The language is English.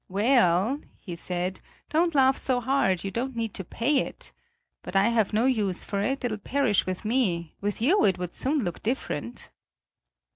"'Well,' he said, 'don't laugh so hard; you don't need to pay it. But I have no use for it, it'll perish with me; with you it would soon look different.'